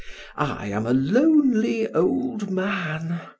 I am a lonely, old man.